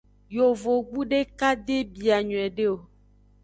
Yovogbu deka de bia nyuiede o.